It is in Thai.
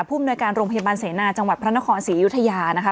มนวยการโรงพยาบาลเสนาจังหวัดพระนครศรีอยุธยานะคะ